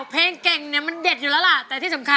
เพลงเก่งของคุณครับ